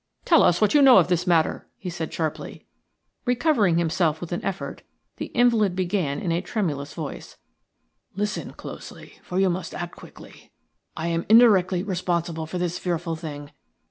"Tell us what you know of this matter," he said sharply. Recovering himself with an effort, the invalid began in a tremulous voice:– "Listen closely, for you must act quickly. I am indirectly responsible for this fearful thing.